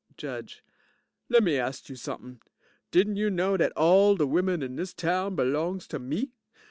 JUDGE Lemme ast you something. Didn't you know dat all de women in dis town belongs to me?